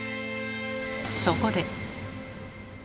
そこで。